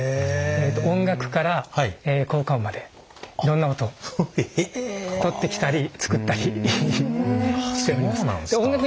音楽から効果音までいろんな音をとってきたり作ったりしてるんですね。